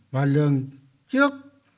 và lường trước